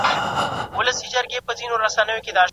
موږ د پښتو ادب د غوړېدو په هیله یو.